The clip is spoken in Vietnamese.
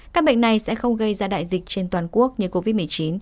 các bệnh này sẽ không gây ra đại dịch trên toàn quốc như covid một mươi chín